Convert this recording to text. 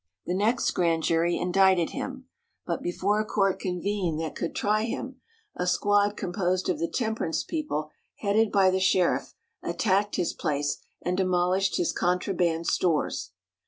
The next grand jury indicted him, but, before a court convened that could try him, a squad composed of the temperance people headed by the sheriff, attacked his place, and demolished his contraband stores.